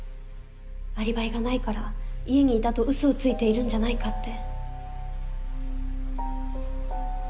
アリバイがないから家にいたと嘘をついてるんじゃないかって。